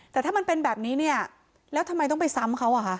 แต่ถ้ามันเป็นแบบนี้เนี่ยแล้วทำไมต้องไปซ้ำเขาอ่ะคะ